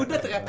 udah tuh ya